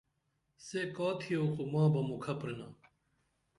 سے کا تِھیو خو ماں بہ مُکھہ پِھرکِنا